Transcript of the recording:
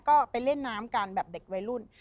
ก็ไปเล่นน้ำกันแบบเด็กวัยรุ่น